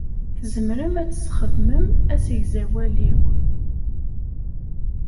Tzemrem ad tesxedmem asegzawal-iw.